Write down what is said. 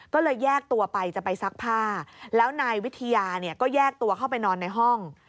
ก็เลยแยกตัวไปจะไปซักผ้าแล้วนายวิทยาเนี่ยก็แยกตัวเข้าไปนอนในห้อง